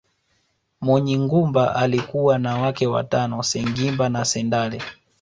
Munyigumba alikuwa na wake watano Sengimba na Sendale